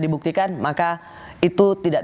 dibuktikan maka itu tidak